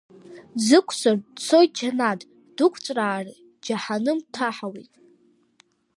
Дзықәсыр, дцоит џьанаҭ, дықәҵәраар џьаҳаным дҭаҳауеит.